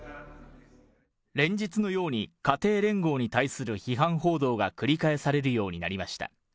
連日のように家庭連合に対する批判報道が繰り返されるようになりました。